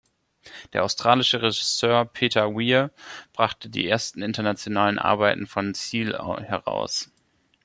Der australische Regisseur Peter Weir brachte die ersten internationalen Arbeiten von Seale heraus.